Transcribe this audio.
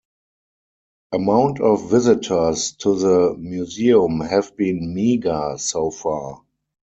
Amount of visitors to the museum have been meager so far.